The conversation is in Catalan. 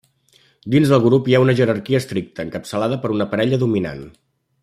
Dins del grup hi ha una jerarquia estricta, encapçalada per una parella dominant.